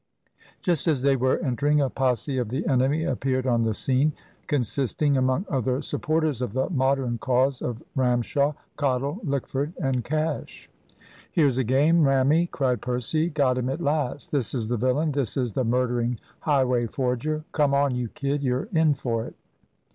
Just as they were entering, a posse of the enemy appeared on the scene, consisting, among other supporters of the Modern cause, of Ramshaw, Cottle, Lickford, and Cash. "Here's a game, Rammy," cried Percy. "Got him at last! This is the villain, this is the murdering, highway forger. Come on, you kid; you're in for it."